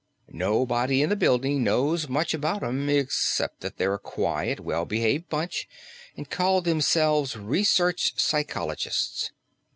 Nobody in the building knows much about 'em, except that they're a quiet, well behaved bunch and call themselves research psychologists.